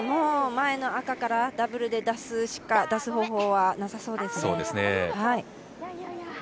前の赤からダブルで出すしか出す方法はなさそうですね。